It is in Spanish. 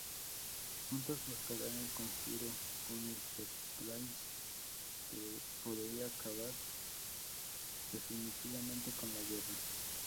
Juntos buscarán el conjuro con el que Price podría acabar definitivamente con la guerra.